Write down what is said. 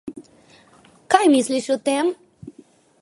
Kaj misliš o tem?